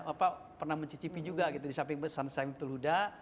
bapak pernah mencicipi juga gitu di samping pesantren tluda